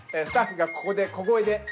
スタッフがここで小声で。